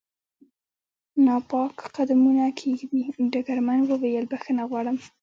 ناپاک قدمونه کېږدي، ډګرمن وویل: بخښنه غواړم.